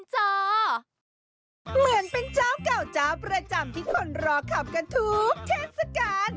เหมือนเป็นเจ้าเก่าเจ้าประจำที่คนรอขับกันทุกเทศกาล